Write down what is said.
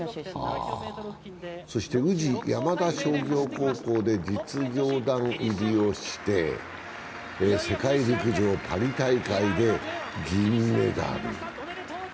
そして宇治山田商業高校で実業団入りをして世界陸上パリ大会で銀メダル。